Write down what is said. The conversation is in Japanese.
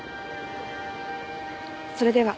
それでは。